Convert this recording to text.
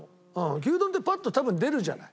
牛丼ってパッと多分出るじゃない。